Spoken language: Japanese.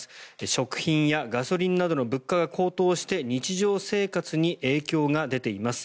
食品やガソリンなどの物価が高騰して日常生活に影響が出ています。